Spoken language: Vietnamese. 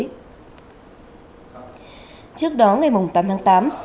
trước đó ngày tám tháng tám cơ quan cảnh sát điều tra công an huyện ba tơ tỉnh quảng ngãi cho biết